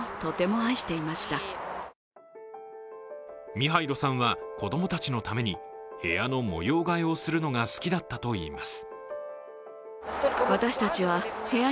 ミハイロさんは、子どもたちのために部屋の模様替えをするのが好きだったといいます。